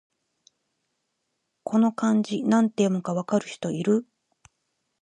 この漢字、なんて読むか分かる人いる？